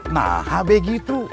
nah hb gitu